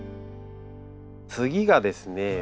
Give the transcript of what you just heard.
次がですね。